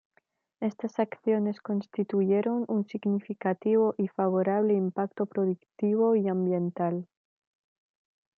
Estas acciones constituyeron un significativo y favorable impacto productivo y ambiental.